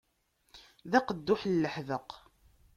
D aqedduḥ n leḥbeq.